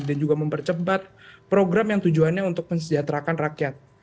dan juga mempercepat program yang tujuannya untuk mensejahterakan rakyat